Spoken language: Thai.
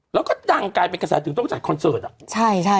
แล้วก็ดังกลายเป็นกระสาทถึงต้องจัดคอนเซิร์ตอะ